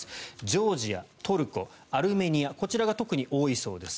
ジョージア、トルコ、アルメニアこちらが特に多いそうです。